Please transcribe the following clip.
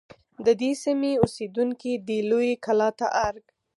د دې سیمې اوسیدونکي دی لویې کلا ته ارگ